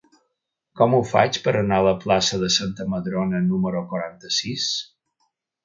Com ho faig per anar a la plaça de Santa Madrona número quaranta-sis?